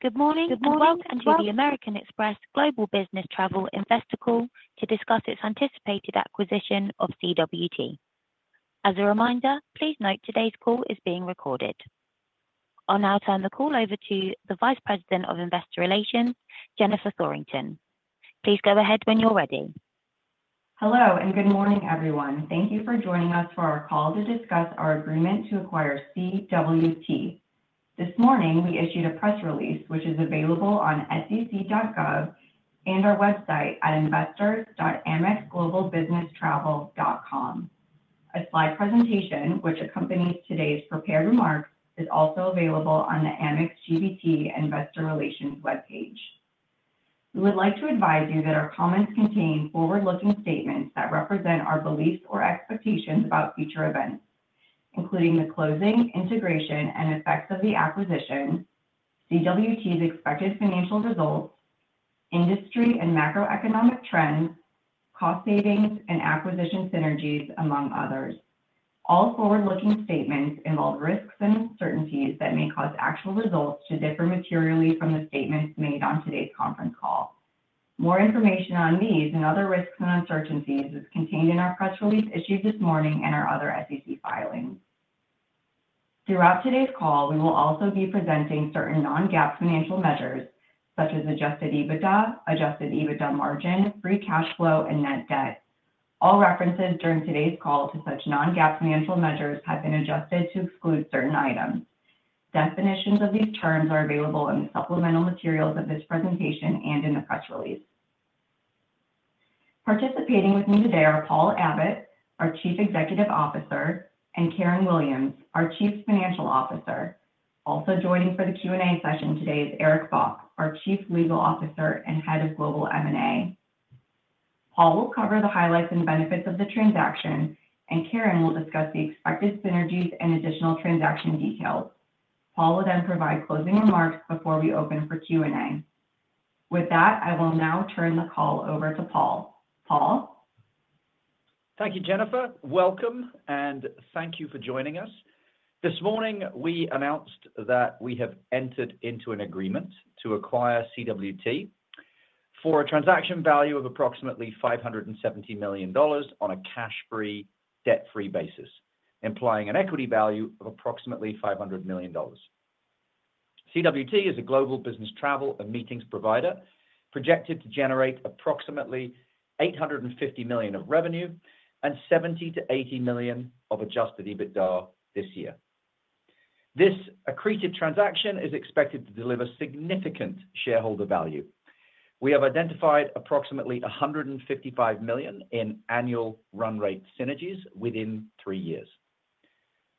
Good morning, and welcome to the American Express Global Business Travel Investor Call to discuss its anticipated acquisition of CWT. As a reminder, please note today's call is being recorded. I'll now turn the call over to the Vice President of Investor Relations, Jennifer Thorington. Please go ahead when you're ready. Hello, and good morning, everyone. Thank you for joining us for our call to discuss our agreement to acquire CWT. This morning, we issued a press release, which is available on sec.gov and our website at investors.amexglobalbusinesstravel.com. A slide presentation, which accompanies today's prepared remarks, is also available on the Amex GBT Investor Relations webpage. We would like to advise you that our comments contain forward-looking statements that represent our beliefs or expectations about future events, including the closing, integration, and effects of the acquisition, CWT's expected financial results, industry and macroeconomic trends, cost savings, and acquisition synergies, among others. All forward-looking statements involve risks and uncertainties that may cause actual results to differ materially from the statements made on today's conference call. More information on these and other risks and uncertainties is contained in our press release issued this morning and our other SEC filings. Throughout today's call, we will also be presenting certain non-GAAP financial measures such as Adjusted EBITDA, Adjusted EBITDA margin, free cash flow, and net debt. All references during today's call to such non-GAAP financial measures have been adjusted to exclude certain items. Definitions of these terms are available in the supplemental materials of this presentation and in the press release. Participating with me today are Paul Abbott, our Chief Executive Officer, and Karen Williams, our Chief Financial Officer. Also joining for the Q&A session today is Eric Bock, our Chief Legal Officer and Head of Global M&A. Paul will cover the highlights and benefits of the transaction, and Karen will discuss the expected synergies and additional transaction details. Paul will then provide closing remarks before we open for Q&A. With that, I will now turn the call over to Paul. Paul? Thank you, Jennifer. Welcome, and thank you for joining us. This morning, we announced that we have entered into an agreement to acquire CWT for a transaction value of approximately $570 million on a cash-free, debt-free basis, implying an equity value of approximately $500 million. CWT is a global business travel and meetings provider, projected to generate approximately $850 million of revenue and $70 million-$80 million of Adjusted EBITDA this year. This accretive transaction is expected to deliver significant shareholder value. We have identified approximately $155 million in annual run rate synergies within three years.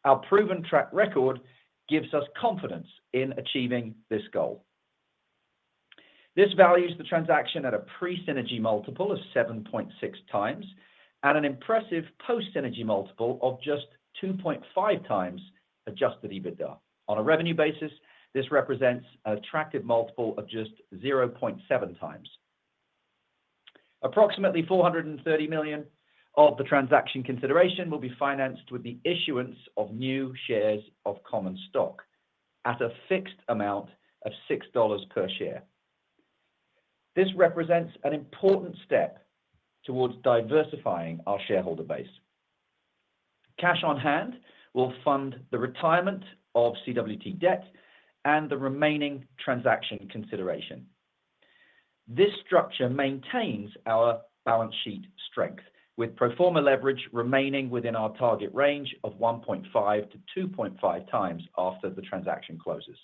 Our proven track record gives us confidence in achieving this goal. This values the transaction at a pre-synergy multiple of 7.6x and an impressive post-synergy multiple of just 2.5x Adjusted EBITDA. On a revenue basis, this represents an attractive multiple of just 0.7x. Approximately $430 million of the transaction consideration will be financed with the issuance of new shares of common stock at a fixed amount of $6 per share. This represents an important step towards diversifying our shareholder base. Cash on hand will fund the retirement of CWT debt and the remaining transaction consideration. This structure maintains our balance sheet strength, with pro forma leverage remaining within our target range of 1.5x-2.5x after the transaction closes.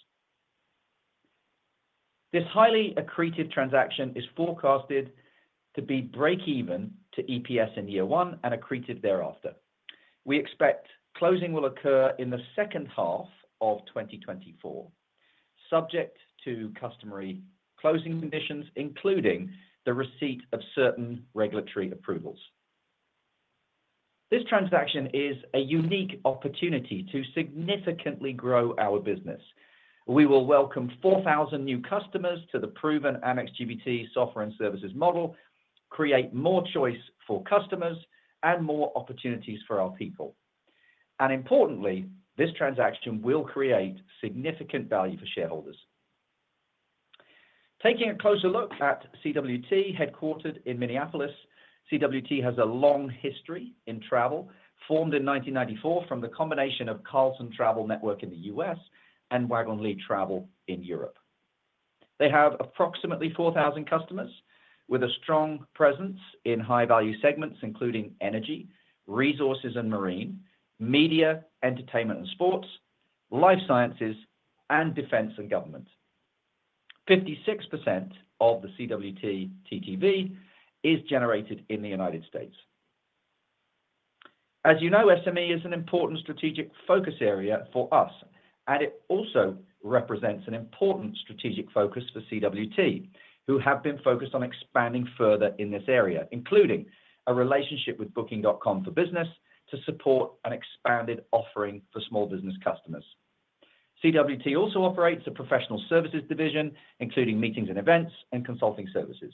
This highly accretive transaction is forecasted to be breakeven to EPS in year one and accretive thereafter. We expect closing will occur in the second half of 2024, subject to customary closing conditions, including the receipt of certain regulatory approvals. This transaction is a unique opportunity to significantly grow our business. We will welcome 4,000 new customers to the proven Amex GBT software and services model, create more choice for customers and more opportunities for our people. Importantly, this transaction will create significant value for shareholders. Taking a closer look at CWT, headquartered in Minneapolis, CWT has a long history in travel, formed in 1994 from the combination of Carlson Travel Network in the U.S. and Wagonlit Travel in Europe. They have approximately 4,000 customers with a strong presence in high-value segments, including energy, resources and marine, media, entertainment and sports, life sciences, and defense and government. 56% of the CWT TTV is generated in the United States. As you know, SME is an important strategic focus area for us, and it also represents an important strategic focus for CWT, who have been focused on expanding further in this area, including a relationship with Booking.com for Business to support an expanded offering for small business customers. CWT also operates a professional services division, including meetings and events and consulting services.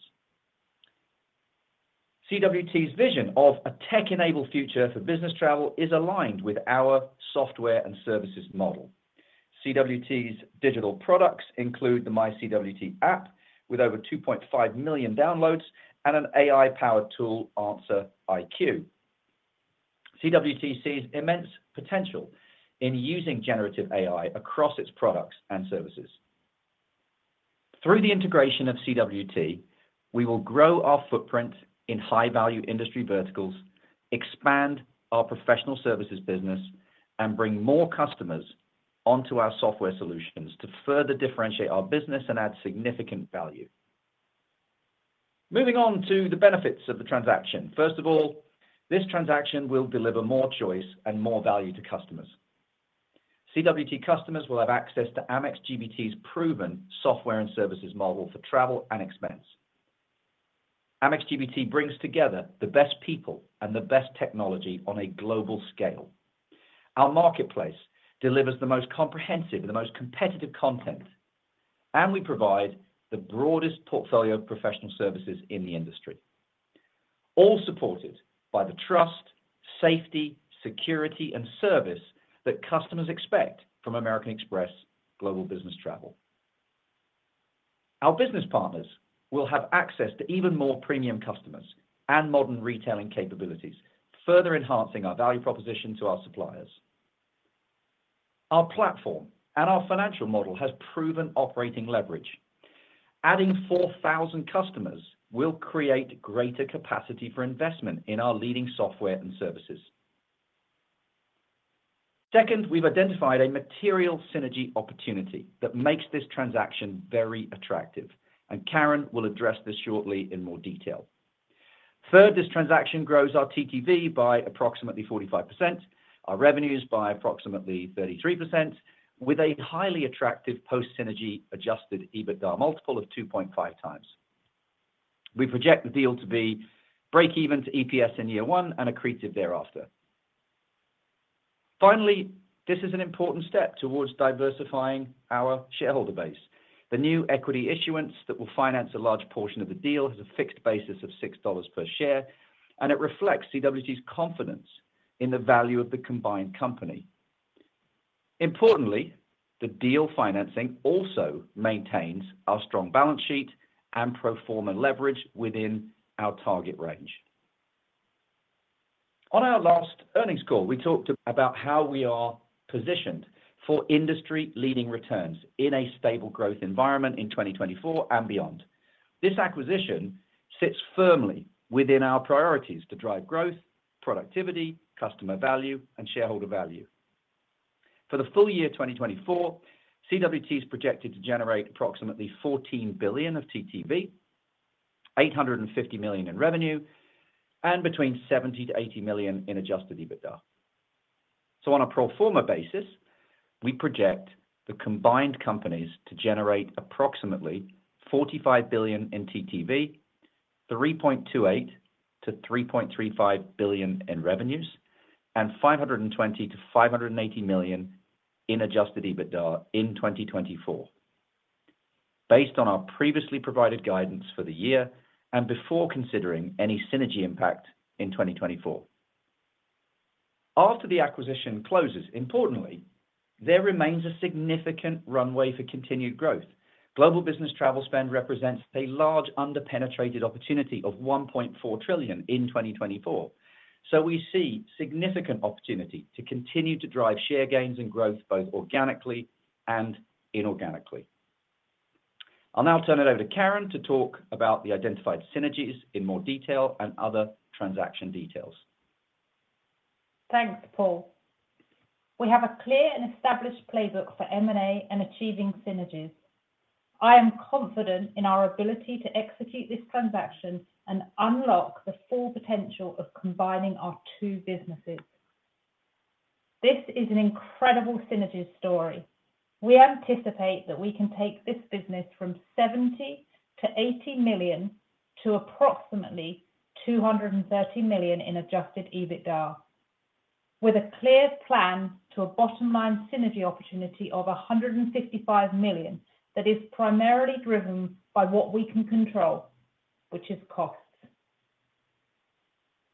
CWT's vision of a tech-enabled future for business travel is aligned with our software and services model. CWT's digital products include the myCWT app, with over 2.5 million downloads, and an AI-powered tool, AnswerIQ. CWT sees immense potential in using generative AI across its products and services. Through the integration of CWT, we will grow our footprint in high-value industry verticals, expand our professional services business, and bring more customers onto our software solutions to further differentiate our business and add significant value. Moving on to the benefits of the transaction. First of all, this transaction will deliver more choice and more value to customers. CWT customers will have access to Amex GBT's proven software and services model for travel and expense. Amex GBT brings together the best people and the best technology on a global scale. Our marketplace delivers the most comprehensive and the most competitive content, and we provide the broadest portfolio of professional services in the industry, all supported by the trust, safety, security, and service that customers expect from American Express Global Business Travel. Our business partners will have access to even more premium customers and modern retailing capabilities, further enhancing our value proposition to our suppliers. Our platform and our financial model has proven operating leverage. Adding 4,000 customers will create greater capacity for investment in our leading software and services. Second, we've identified a material synergy opportunity that makes this transaction very attractive, and Karen will address this shortly in more detail. Third, this transaction grows our TTV by approximately 45%, our revenues by approximately 33%, with a highly attractive post-synergy Adjusted EBITDA multiple of 2.5x. We project the deal to be breakeven to EPS in year one and accretive thereafter. Finally, this is an important step towards diversifying our shareholder base. The new equity issuance that will finance a large portion of the deal has a fixed basis of $6 per share, and it reflects CWT's confidence in the value of the combined company. Importantly, the deal financing also maintains our strong balance sheet and pro forma leverage within our target range. On our last earnings call, we talked about how we are positioned for industry-leading returns in a stable growth environment in 2024 and beyond. This acquisition sits firmly within our priorities to drive growth, productivity, customer value, and shareholder value. For the full year 2024, CWT is projected to generate approximately $14 billion of TTV, $850 million in revenue, and between $70-$80 million in Adjusted EBITDA. On a pro forma basis, we project the combined companies to generate approximately $45 billion in TTV, $3.28-$3.35 billion in revenues, and $520-$580 million in Adjusted EBITDA in 2024, based on our previously provided guidance for the year and before considering any synergy impact in 2024. After the acquisition closes, importantly, there remains a significant runway for continued growth. Global business travel spend represents a large under-penetrated opportunity of $1.4 trillion in 2024, so we see significant opportunity to continue to drive share gains and growth, both organically and inorganically. I'll now turn it over to Karen to talk about the identified synergies in more detail and other transaction details. Thanks, Paul. We have a clear and established playbook for M&A and achieving synergies. I am confident in our ability to execute this transaction and unlock the full potential of combining our two businesses. This is an incredible synergies story. We anticipate that we can take this business from $70 million-$80 million to approximately $230 million in Adjusted EBITDA, with a clear plan to a bottom-line synergy opportunity of $155 million that is primarily driven by what we can control, which is costs.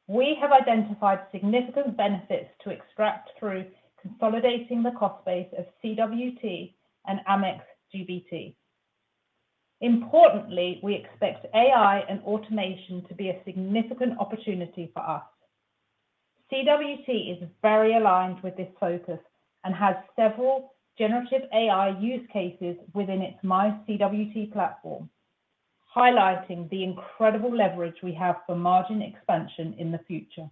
We have identified significant benefits to extract through consolidating the cost base of CWT and Amex GBT. Importantly, we expect AI and automation to be a significant opportunity for us. CWT is very aligned with this focus and has several generative AI use cases within its myCWT platform, highlighting the incredible leverage we have for margin expansion in the future.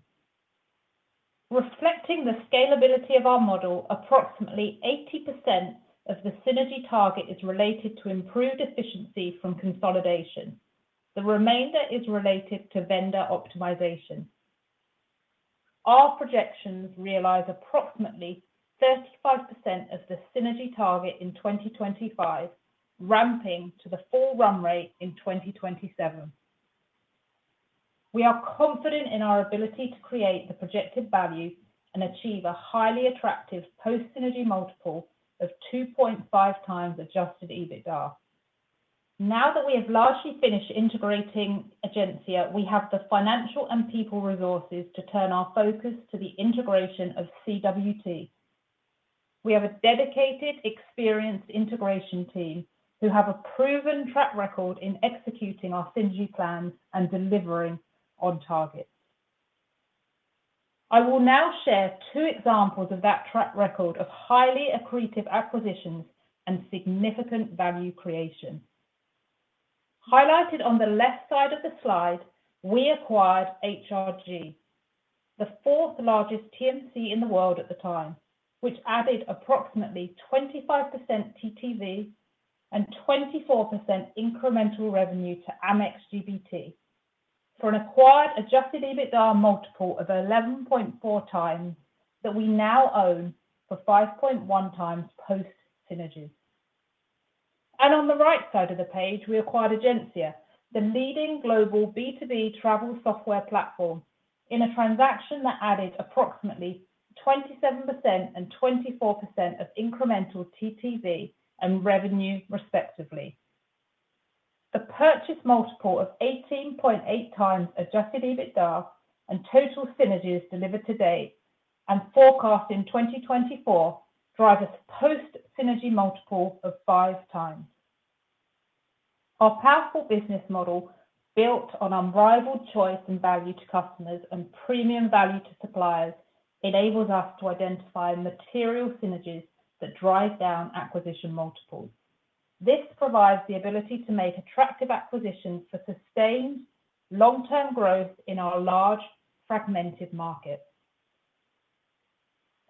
Reflecting the scalability of our model, approximately 80% of the synergy target is related to improved efficiency from consolidation. The remainder is related to vendor optimization. Our projections realize approximately 35% of the synergy target in 2025, ramping to the full run rate in 2027. We are confident in our ability to create the projected value and achieve a highly attractive post-synergy multiple of 2.5x Adjusted EBITDA. Now that we have largely finished integrating Egencia, we have the financial and people resources to turn our focus to the integration of CWT. We have a dedicated, experienced integration team who have a proven track record in executing our synergy plans and delivering on targets. I will now share two examples of that track record of highly accretive acquisitions and significant value creation. Highlighted on the left side of the slide, we acquired HRG, the fourth-largest TMC in the world at the time, which added approximately 25% TTV and 24% incremental revenue to Amex GBT, for an acquired Adjusted EBITDA multiple of 11.4x that we now own for 5.1x post synergy. On the right side of the page, we acquired Egencia, the leading global B2B travel software platform, in a transaction that added approximately 27% and 24% of incremental TTV and revenue, respectively. A purchase multiple of 18.8x Adjusted EBITDA and total synergies delivered to date and forecast in 2024, drive a post-synergy multiple of 5x. Our powerful business model, built on unrivaled choice and value to customers and premium value to suppliers, enables us to identify material synergies that drive down acquisition multiples. This provides the ability to make attractive acquisitions for sustained long-term growth in our large, fragmented market.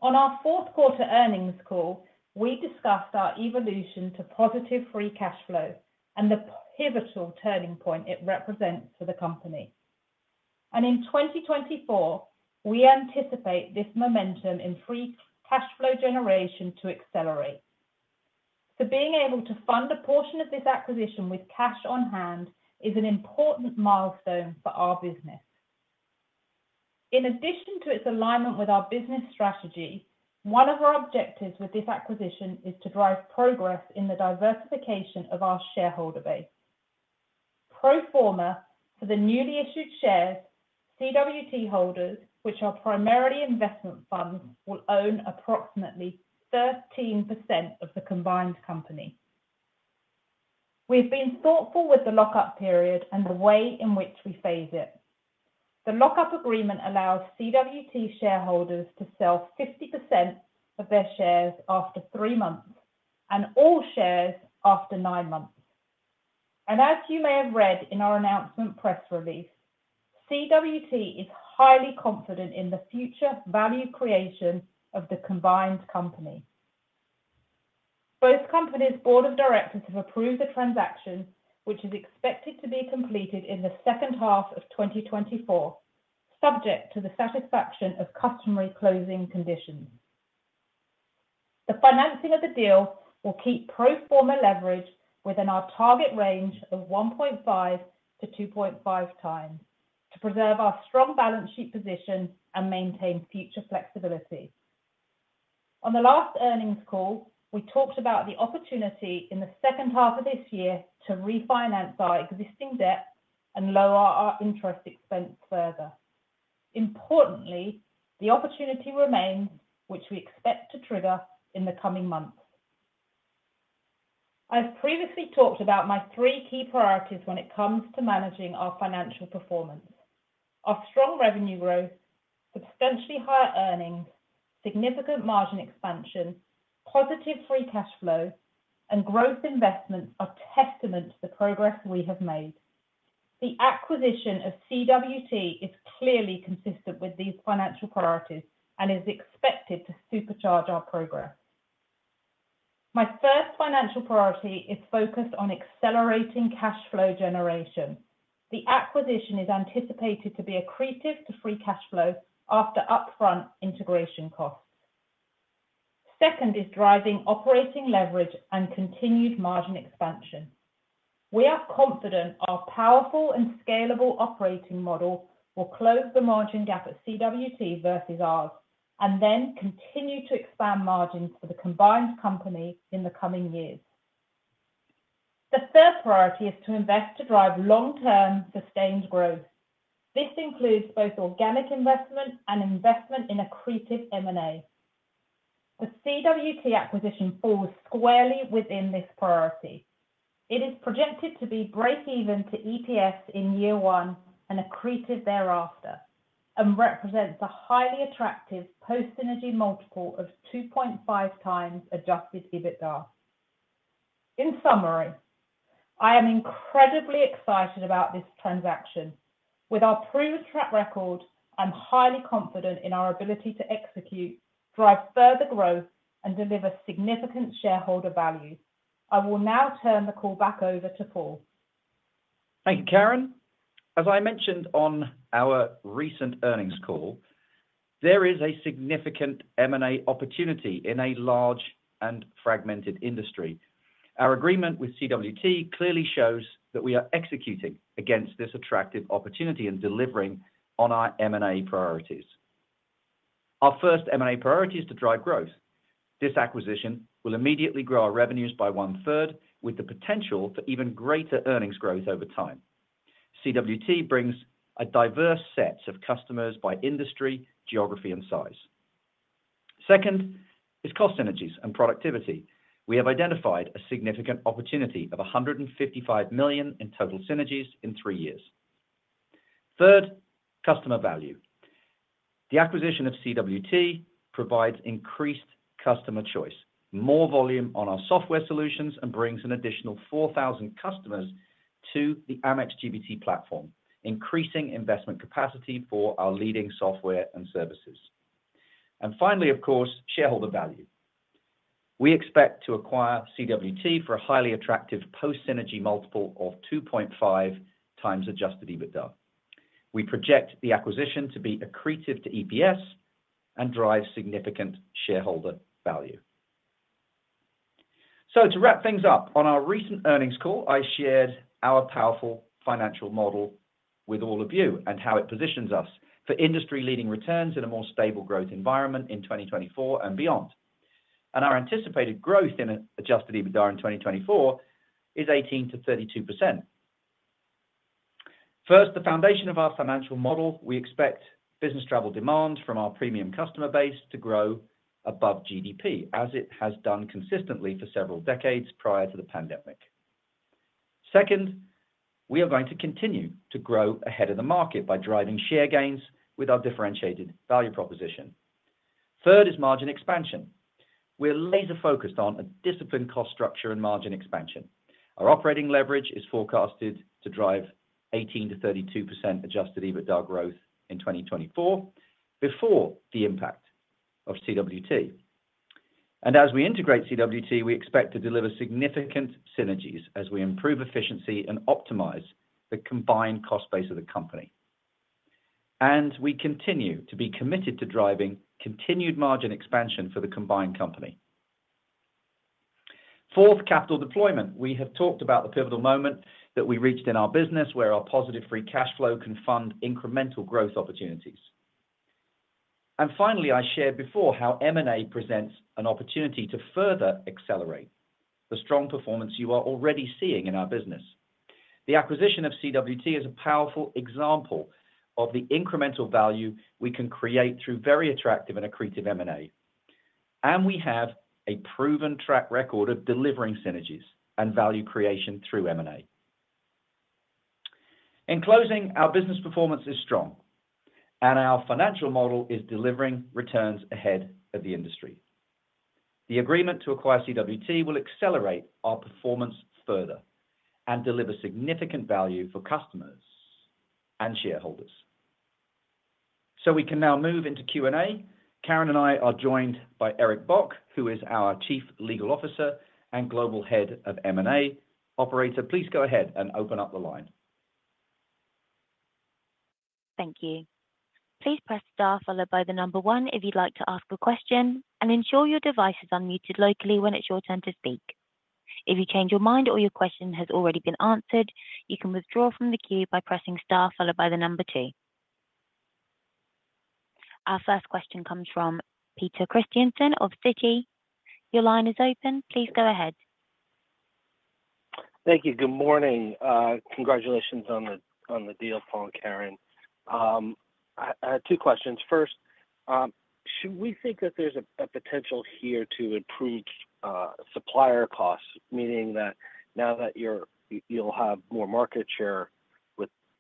On our fourth quarter earnings call, we discussed our evolution to positive free cash flow and the pivotal turning point it represents for the company. In 2024, we anticipate this momentum in free cash flow generation to accelerate. Being able to fund a portion of this acquisition with cash on hand is an important milestone for our business. In addition to its alignment with our business strategy, one of our objectives with this acquisition is to drive progress in the diversification of our shareholder base. Pro forma for the newly issued shares, CWT holders, which are primarily investment funds, will own approximately 13% of the combined company. We've been thoughtful with the lock-up period and the way in which we phase it. The lock-up agreement allows CWT shareholders to sell 50% of their shares after three months and all shares after nine months. As you may have read in our announcement press release, CWT is highly confident in the future value creation of the combined company. Both companies' board of directors have approved the transaction, which is expected to be completed in the second half of 2024, subject to the satisfaction of customary closing conditions. The financing of the deal will keep Pro Forma leverage within our target range of 1.5x-2.5x, to preserve our strong balance sheet position and maintain future flexibility. On the last earnings call, we talked about the opportunity in the second half of this year to refinance our existing debt and lower our interest expense further. Importantly, the opportunity remains, which we expect to trigger in the coming months. I've previously talked about my three key priorities when it comes to managing our financial performance. Our strong revenue growth, substantially higher earnings, significant margin expansion, positive free cash flow, and growth investments are testament to the progress we have made. The acquisition of CWT is clearly consistent with these financial priorities and is expected to supercharge our progress. My first financial priority is focused on accelerating cash flow generation. The acquisition is anticipated to be accretive to free cash flow after upfront integration costs. Second is driving operating leverage and continued margin expansion. We are confident our powerful and scalable operating model will close the margin gap at CWT versus ours, and then continue to expand margins for the combined company in the coming years. The third priority is to invest to drive long-term, sustained growth. This includes both organic investment and investment in accretive M&A. The CWT acquisition falls squarely within this priority. It is projected to be breakeven to EPS in year one and accretive thereafter, and represents a highly attractive post-synergy multiple of 2.5x Adjusted EBITDA. In summary, I am incredibly excited about this transaction. With our proven track record, I'm highly confident in our ability to execute, drive further growth, and deliver significant shareholder value. I will now turn the call back over to Paul. Thank you, Karen. As I mentioned on our recent earnings call, there is a significant M&A opportunity in a large and fragmented industry. Our agreement with CWT clearly shows that we are executing against this attractive opportunity and delivering on our M&A priorities... Our first M&A priority is to drive growth. This acquisition will immediately grow our revenues by one-third, with the potential for even greater earnings growth over time. CWT brings a diverse set of customers by industry, geography, and size. Second, is cost synergies and productivity. We have identified a significant opportunity of $155 million in total synergies in three years. Third, customer value. The acquisition of CWT provides increased customer choice, more volume on our software solutions, and brings an additional 4,000 customers to the Amex GBT platform, increasing investment capacity for our leading software and services. And finally, of course, shareholder value. We expect to acquire CWT for a highly attractive post-synergy multiple of 2.5x Adjusted EBITDA. We project the acquisition to be accretive to EPS and drive significant shareholder value. To wrap things up, on our recent earnings call, I shared our powerful financial model with all of you and how it positions us for industry-leading returns in a more stable growth environment in 2024 and beyond. Our anticipated growth in Adjusted EBITDA in 2024 is 18%-32%. First, the foundation of our financial model, we expect business travel demand from our premium customer base to grow above GDP, as it has done consistently for several decades prior to the pandemic. Second, we are going to continue to grow ahead of the market by driving share gains with our differentiated value proposition. Third is margin expansion. We're laser-focused on a disciplined cost structure and margin expansion. Our operating leverage is forecasted to drive 18%-32% Adjusted EBITDA growth in 2024 before the impact of CWT. As we integrate CWT, we expect to deliver significant synergies as we improve efficiency and optimize the combined cost base of the company. We continue to be committed to driving continued margin expansion for the combined company. Fourth, capital deployment. We have talked about the pivotal moment that we reached in our business, where our positive free cash flow can fund incremental growth opportunities. Finally, I shared before how M&A presents an opportunity to further accelerate the strong performance you are already seeing in our business. The acquisition of CWT is a powerful example of the incremental value we can create through very attractive and accretive M&A, and we have a proven track record of delivering synergies and value creation through M&A. In closing, our business performance is strong, and our financial model is delivering returns ahead of the industry. The agreement to acquire CWT will accelerate our performance further and deliver significant value for customers and shareholders. We can now move into Q&A. Karen and I are joined by Eric Bock, who is our Chief Legal Officer and Global Head of M&A. Operator, please go ahead and open up the line. Thank you. Please press star followed by the number one if you'd like to ask a question, and ensure your device is unmuted locally when it's your turn to speak. If you change your mind or your question has already been answered, you can withdraw from the queue by pressing star followed by the number two. Our first question comes from Peter Christiansen of Citi. Your line is open. Please go ahead. Thank you. Good morning. Congratulations on the deal, Paul and Karen. I had two questions. First, should we think that there's a potential here to improve supplier costs? Meaning that now that you're-- you'll have more market share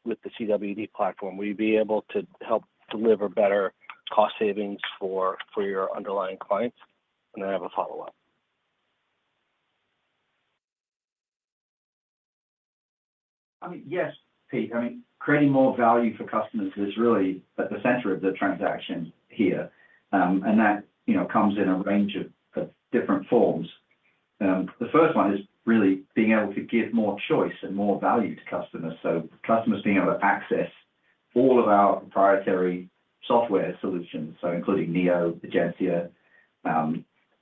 with the CWT platform, will you be able to help deliver better cost savings for your underlying clients? And then I have a follow-up. I mean, yes, Pete, I mean, creating more value for customers is really at the center of the transaction here, and that, you know, comes in a range of different forms. The first one is really being able to give more choice and more value to customers. So customers being able to access all of our proprietary software solutions, so including Neo, Egencia.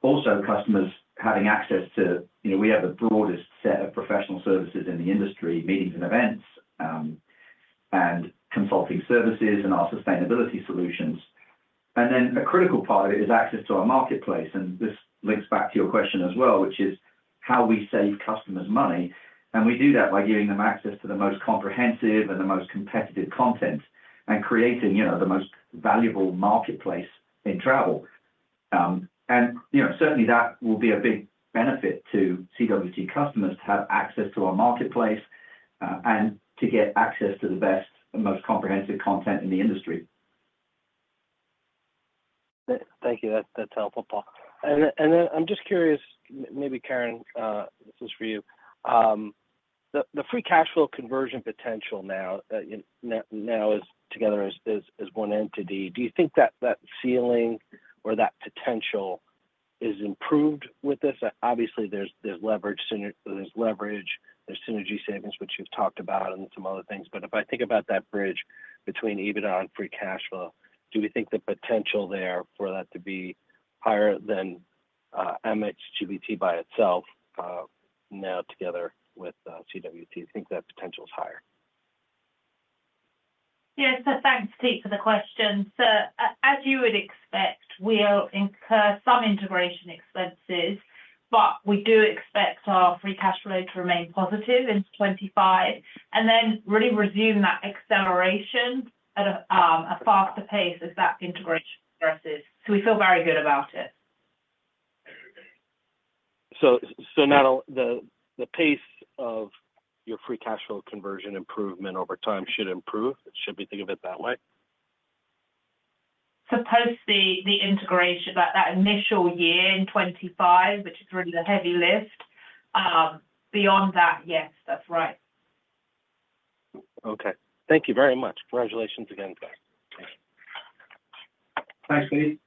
Also, customers having access to... You know, we have the broadest set of professional services in the industry, meetings and events, and consulting services, and our sustainability solutions. And then a critical part of it is access to our marketplace, and this links back to your question as well, which is how we save customers money. We do that by giving them access to the most comprehensive and the most competitive content, and creating, you know, the most valuable marketplace in travel. You know, certainly, that will be a big benefit to CWT customers to have access to our marketplace, and to get access to the best and most comprehensive content in the industry. Thank you. That's helpful, Paul. And then I'm just curious, maybe Karen, this is for you. The free cash flow conversion potential now as together as one entity, do you think that ceiling or that potential is improved with this? Obviously, there's leverage, there's synergy savings, which you've talked about and some other things, but if I think about that bridge between EBITDA and free cash flow, do we think the potential there for that to be higher than Amex GBT by itself, now together with CWT? Do you think that potential is higher?... Yes, so thanks, Pete, for the question. So as you would expect, we'll incur some integration expenses, but we do expect our free cash flow to remain positive in 2025, and then really resume that acceleration at a faster pace as that integration progresses. So we feel very good about it. So now the pace of your free cash flow conversion improvement over time should improve? Should we think of it that way? So post the integration, that initial year in 2025, which is really the heavy lift, beyond that, yes, that's right. Okay. Thank you very much. Congratulations again, guys. Thanks, Pete.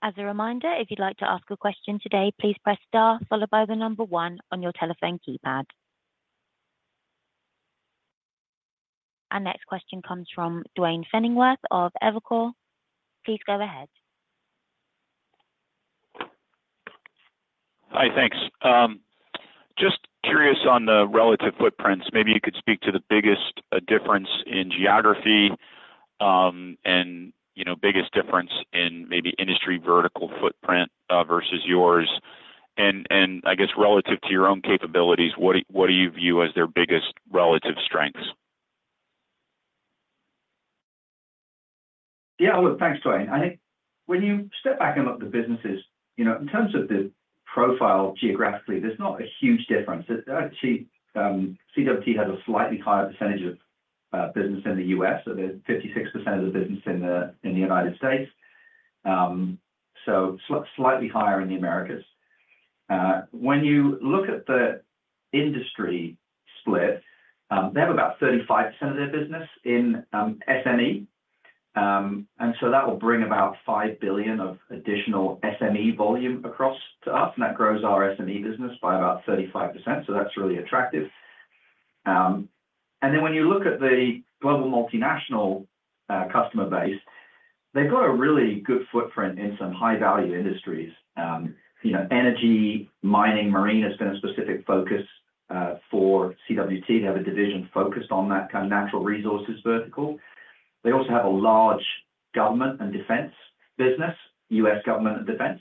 As a reminder, if you'd like to ask a question today, please press star followed by the number one on your telephone keypad. Our next question comes from Duane Pfennigwerth of Evercore. Please go ahead. Hi, thanks. Just curious on the relative footprints, maybe you could speak to the biggest difference in geography, and you know, biggest difference in maybe industry vertical footprint versus yours. And I guess relative to your own capabilities, what do you view as their biggest relative strengths? Yeah, well, thanks, Duane. I think when you step back and look at the businesses, you know, in terms of the profile geographically, there's not a huge difference. Actually, CWT has a slightly higher percentage of business in the U.S., so there's 56% of the business in the United States. So slightly higher in the Americas. When you look at the industry split, they have about 35% of their business in SME. And so that will bring about $5 billion of additional SME volume across to us, and that grows our SME business by about 35%, so that's really attractive. And then when you look at the global multinational customer base, they've got a really good footprint in some high-value industries. You know, energy, mining, marine has been a specific focus for CWT. They have a division focused on that kind of natural resources vertical. They also have a large government and defense business, U.S. government and defense.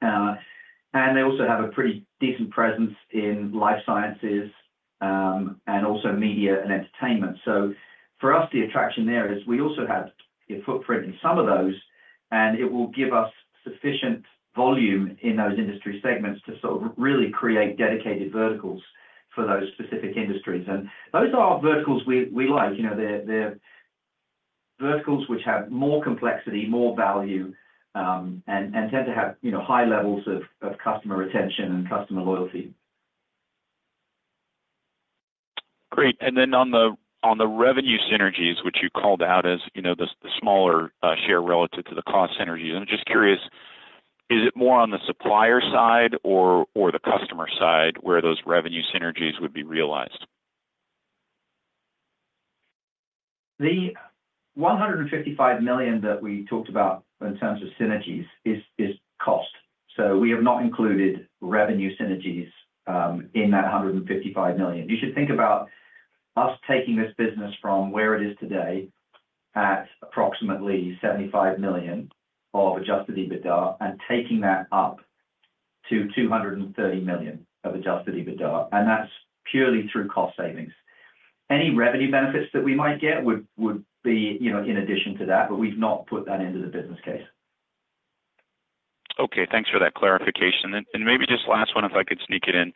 They also have a pretty decent presence in life sciences, and also media and entertainment. So for us, the attraction there is we also have a footprint in some of those, and it will give us sufficient volume in those industry segments to sort of really create dedicated verticals for those specific industries. And those are verticals we like. You know, they're verticals which have more complexity, more value, and tend to have, you know, high levels of customer retention and customer loyalty. Great. And then on the revenue synergies, which you called out as, you know, the smaller share relative to the cost synergies, I'm just curious, is it more on the supplier side or the customer side, where those revenue synergies would be realized? The $155 million that we talked about in terms of synergies is, is cost. So we have not included revenue synergies in that $155 million. You should think about us taking this business from where it is today at approximately $75 million of Adjusted EBITDA, and taking that up to $230 million of Adjusted EBITDA, and that's purely through cost savings. Any revenue benefits that we might get would, would be, you know, in addition to that, but we've not put that into the business case. Okay, thanks for that clarification. And maybe just last one, if I could sneak it in.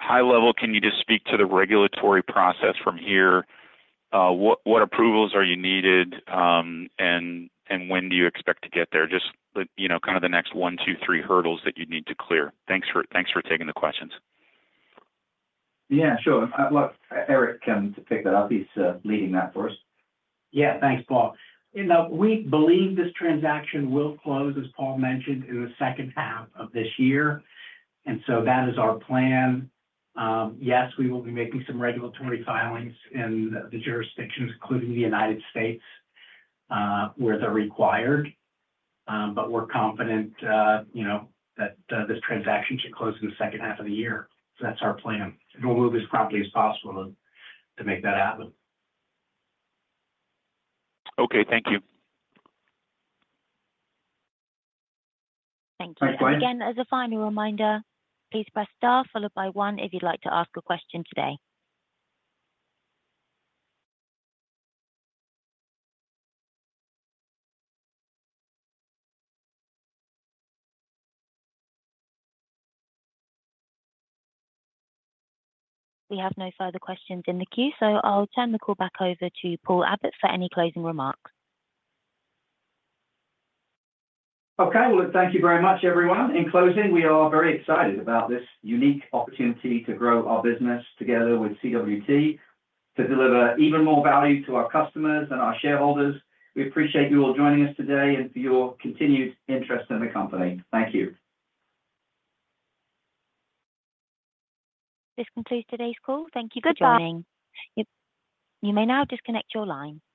High level, can you just speak to the regulatory process from here? What approvals are you needed, and when do you expect to get there? Just you know, kind of the next one, two, three hurdles that you'd need to clear. Thanks for taking the questions. Yeah, sure. Well, Eric can pick that up. He's leading that for us. Yeah, thanks, Paul. You know, we believe this transaction will close, as Paul mentioned, in the second half of this year, and so that is our plan. Yes, we will be making some regulatory filings in the jurisdictions, including the United States, where they're required, but we're confident, you know, that this transaction should close in the second half of the year. So that's our plan, and we'll move as promptly as possible to make that happen. Okay, thank you. Thank you. Thanks, Duane. And again, as a final reminder, please press star followed by one if you'd like to ask a question today. We have no further questions in the queue, so I'll turn the call back over to Paul Abbott for any closing remarks. Okay, well, thank you very much, everyone. In closing, we are very excited about this unique opportunity to grow our business together with CWT, to deliver even more value to our customers and our shareholders. We appreciate you all joining us today and for your continued interest in the company. Thank you. This concludes today's call. Thank you for joining. Goodbye. You may now disconnect your line.